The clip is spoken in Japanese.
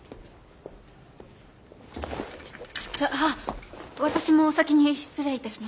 じゃあ私もお先に失礼いたします。